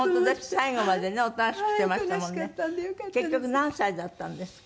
最後までねおとなしくしてましたもんね。